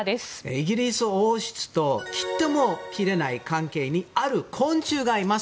イギリス王室と切っても切れない関係にある昆虫がいます。